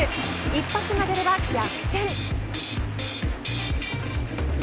一発が出れば逆転。